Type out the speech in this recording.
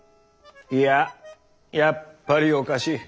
いややっぱりおかしい。